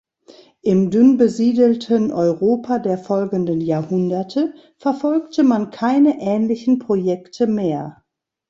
Im dünn besiedelten Europa der folgenden Jahrhunderte verfolgte man keine ähnlichen Projekte mehr.